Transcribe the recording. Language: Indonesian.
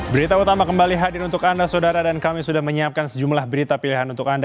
berita utama kembali hadir untuk anda saudara dan kami sudah menyiapkan sejumlah berita pilihan untuk anda